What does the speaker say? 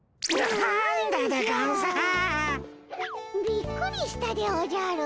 びっくりしたでおじゃる。